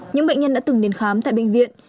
những bệnh nhân đã từng đến khám tại bệnh viện